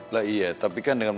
lah iya tapi kan dengan